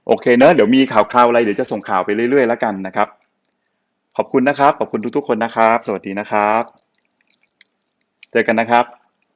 เนอะเดี๋ยวมีข่าวคราวอะไรเดี๋ยวจะส่งข่าวไปเรื่อยแล้วกันนะครับขอบคุณนะครับขอบคุณทุกทุกคนนะครับสวัสดีนะครับเจอกันนะครับ